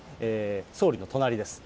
総理の隣です。